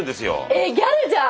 えギャルじゃん！